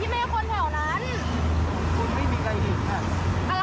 คุณไม่มีใครเองค่ะอะไรไม่มีใครเองผมสอดรู้อยู่ข้างที่ข้างหน้า